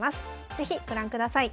是非ご覧ください。